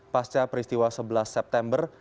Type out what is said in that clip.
pasca peristiwa sebelas september